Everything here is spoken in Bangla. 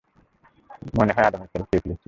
মনে হয় আদমের ফল খেয়ে ফেলেছি।